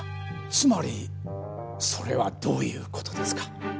つまりそれはどういう事ですか？